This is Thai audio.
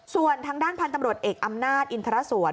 ส่วนทางด้านพันธุ์ตำรวจเอกอำนาจอินทรสวน